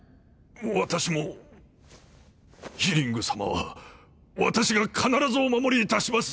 私もヒリング様は私が必ずお守りいたします！